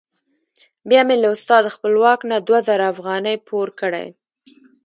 بیا مې له استاد خپلواک نه دوه زره افغانۍ پور کړې.